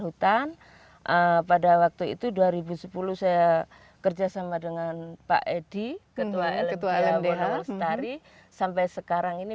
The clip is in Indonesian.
hutan pada waktu itu dua ribu sepuluh saya kerja sama dengan pak edi ketua lmkw lestari sampai sekarang ini